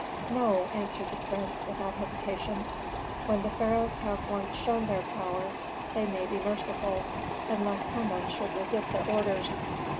"No," answered the prince, without hesitation. "When the pharaohs have once shown their power, they may be merciful; unless some one should resist their orders."